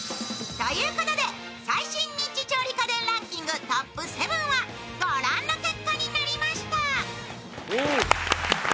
ということで、最新ニッチ調理家電ランキングトップ７は御覧の結果になりました。